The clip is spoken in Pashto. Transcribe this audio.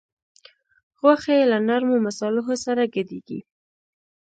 غوښه یې له نرمو مصالحو سره ګډیږي.